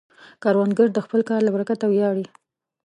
کروندګر د خپل کار له برکته ویاړي